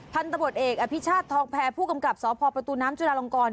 พันธบทเอกอภิชาติทองแพรผู้กำกับสพประตูน้ำจุลาลงกร